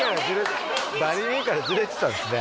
バミリからずれてたんですね